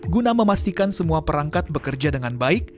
guna memastikan semua perangkat bekerja dengan baik